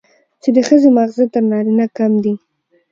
چې د ښځې ماغزه تر نارينه کم دي،